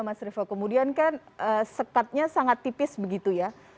mas riffa kemudian kan sepatnya sangat tipis begitu ya